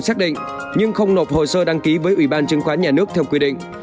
các nhà đầu tư không xác định nhưng không nộp hồ sơ đăng ký với ủy ban chứng khoán nhà nước theo quy định